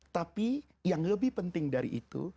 tapi yang lebih penting dari itu